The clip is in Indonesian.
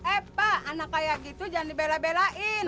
eh pak anak kayak gitu jangan dibela belain